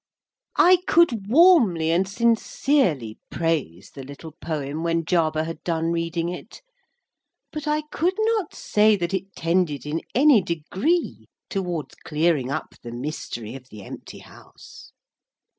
I could warmly and sincerely praise the little poem, when Jarber had done reading it; but I could not say that it tended in any degree towards clearing up the mystery of the empty House.